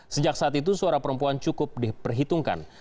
sejak saat itu suara perempuan cukup diperhitungkan